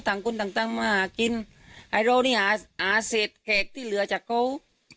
คนต่างต่างมาหากินไอเรานี่หาหาเศษแขกที่เหลือจากเขา